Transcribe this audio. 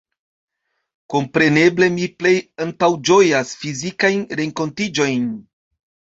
Kompreneble mi plej antaŭĝojas fizikajn renkontiĝojn.